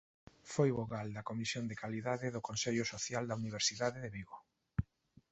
Foi vogal da comisión de calidade do Consello Social da Universidade de Vigo.